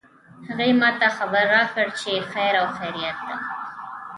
هغې ما ته خبر راکړ چې خیر او خیریت ده